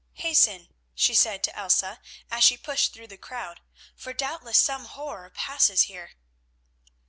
"Hasten," she said to Elsa, as she pushed through the crowd, "for doubtless some horror passes here."